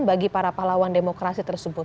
bagi para pahlawan demokrasi tersebut